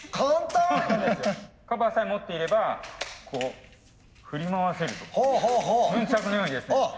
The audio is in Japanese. カバーさえ持っていればこう振り回せるとヌンチャクのようにですね。